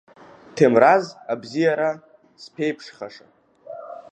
Ҭемраз абзиара зԥеиԥшхаша!